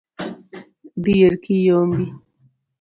Dhier kiyombi